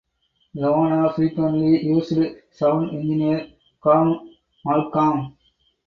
Iona frequently used sound engineer Calum Malcolm